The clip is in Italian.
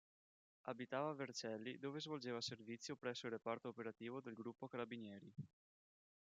Abitava a Vercelli dove svolgeva servizio presso il Reparto Operativo del Gruppo Carabinieri.